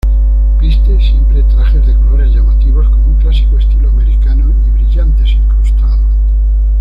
Viste siempre trajes de colores llamativos con un clásico estilo americano y brillantes incrustados.